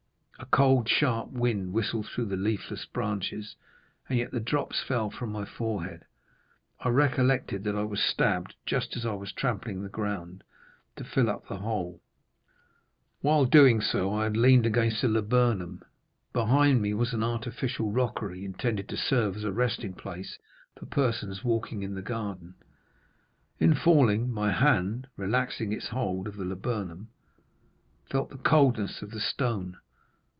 A cold, sharp wind whistled through the leafless branches, and yet the drops fell from my forehead. I recollected that I was stabbed just as I was trampling the ground to fill up the hole; while doing so I had leaned against a laburnum; behind me was an artificial rockery, intended to serve as a resting place for persons walking in the garden; in falling, my hand, relaxing its hold of the laburnum, felt the coldness of the stone.